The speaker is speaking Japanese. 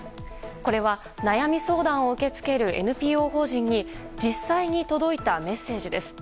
これは悩み相談を受け付けるＮＰＯ法人に実際に届いたメッセージです。